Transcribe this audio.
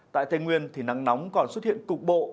tại tây nguyên thì nắng nóng còn xuất hiện cục bộ